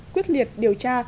quyết liệt điều tra